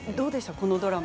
このドラマ。